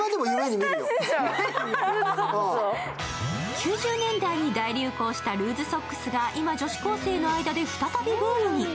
９０年代に大流行したルーズソックスが今、女子高生の間で再びブームに。